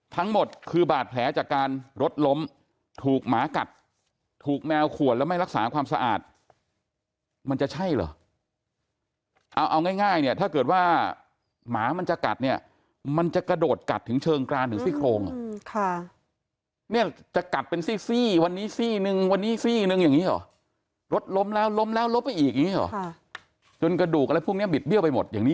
ทั้งหมดคือบาดแผลจากการรถล้มถูกหมากัดถูกแมวขวดแล้วไม่รักษาความสะอาดมันจะใช่เหรอเอาเอาง่ายเนี่ยถ้าเกิดว่าหมามันจะกัดเนี่ยมันจะกระโดดกัดถึงเชิงกรานถึงซี่โครงเนี่ยจะกัดเป็นซี่วันนี้ซี่นึงวันนี้ซี่นึงอย่างนี้เหรอรถล้มแล้วล้มแล้วล้มไปอีกอย่างนี้เหรอจนกระดูกอะไรพวกนี้บิดเบี้ยไปหมดอย่างนี้